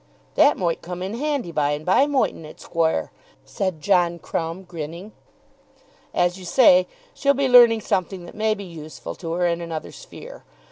"That moight come in handy by and by; moightn't it, squoire?" said John Crumb grinning. "As you say, she'll be learning something that may be useful to her in another sphere.